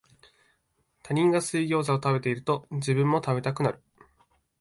他人が水ギョウザを食べてると、自分も食べたくなる